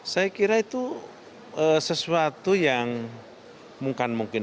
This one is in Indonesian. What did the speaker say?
saya kira itu sesuatu yang mungkin mungkin saja karena itu bukan bagian dari proses yang diperlukan oleh presiden